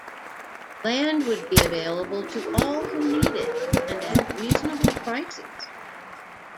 Land would be available to all who need it and at reasonable prices.